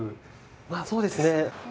そうですね。